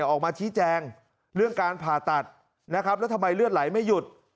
ออกมาชี้แจงเรื่องการผ่าตัดนะครับแล้วทำไมเลือดไหลไม่หยุด